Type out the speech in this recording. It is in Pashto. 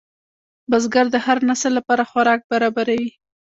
بزګر د هر نسل لپاره خوراک برابروي